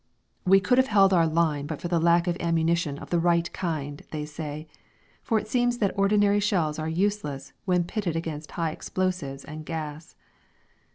"We could have held our lines but for the lack of ammunition of the right kind," they say for it seems that ordinary shells are useless when pitted against high explosives and gas.